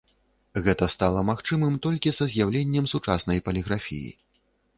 Гэта стала магчымым толькі са з'яўленнем сучаснай паліграфіі.